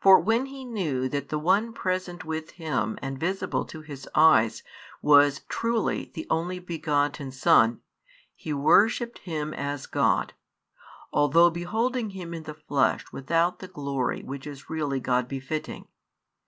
For when he knew that the One present with him and visible to his eyes was truly the Only Begotten Son, he worshipped Him as God, although beholding Him in the flesh without the glory which is really God befitting.